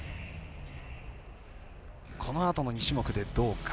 このあとの２種目でどうか。